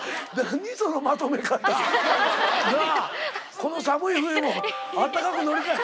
この寒い冬もあったかく乗り切れ。